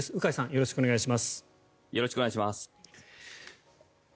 よろしくお願いします。